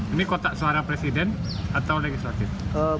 ini kotak suara presiden atau legislatif